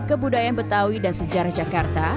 kebudayaan betawi dan sejarah jakarta